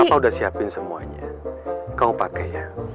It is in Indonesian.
kau udah siapin semuanya kamu pakai ya